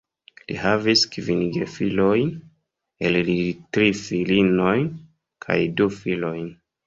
Li havis kvin gefilojn, el ili tri filinojn kaj du filojn.